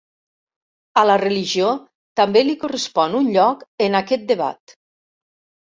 A la religió també li correspon un lloc en aquest debat.